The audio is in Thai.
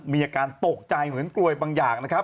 มีอาการตกใจเหมือนกลวยบางอย่างนะครับ